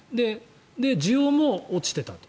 需要も落ちていたと。